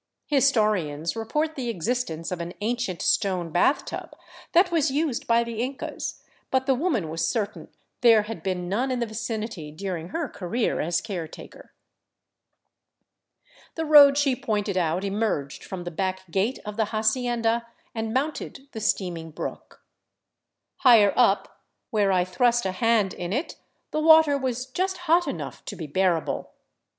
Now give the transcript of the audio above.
His torians report the existence of an ancient stone bathtub that was used by the Incas, but the woman was certain there had been none in the vicinity during her career as caretaker. The road she pointed out emerged from the back gate of the ha cienda and mounted the steaming brook. Higher up, where I thrust a hand in it, the water was just hot enough to be bearable.